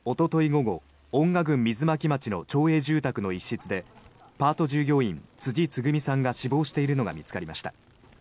午後遠賀郡水巻町の町営住宅の一室でパート従業員、辻つぐみさんが死亡しているのが見つかりました。